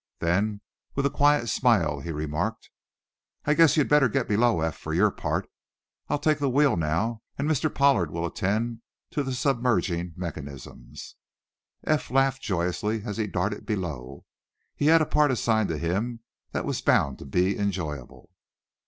Then, with a quiet smile, he remarked: "I guess you'd better get below, Eph, for your part. I'll take the wheel, now, and Mr. Pollard will attend to the submerging mechanisms." Eph laughed joyously as he darted below. He had a part assigned to him that was bound to be enjoyable.